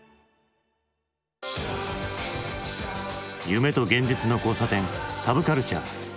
夢と現実の交差点サブカルチャー。